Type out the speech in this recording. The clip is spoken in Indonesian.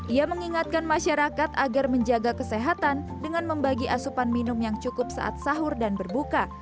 ia mengingatkan masyarakat agar menjaga kesehatan dengan membagi asupan minum yang cukup saat sahur dan berbuka